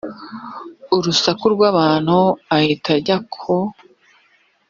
urusaku rw abantu ahita ajya ku